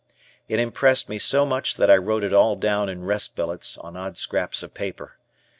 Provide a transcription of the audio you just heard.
It impressed me so much that I wrote it all down in rest billets on odd scraps of paper.